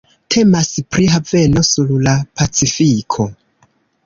Temas pri haveno sur la Pacifiko.